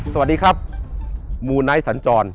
สวัสดีครับหมู่ไนท์สนับสนุน